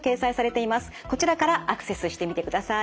こちらからアクセスしてみてください。